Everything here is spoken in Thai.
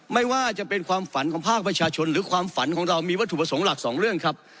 ไม่ว่าจะเป็นความฝันของภาคประชาชนหรือความฝันของเรามีวัตถุประสงค์หลักสองเรื่องครับ